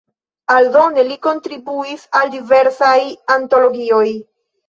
Aldone li kontribuis al diversaj antologioj.